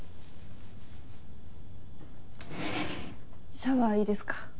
シャワーいいですか？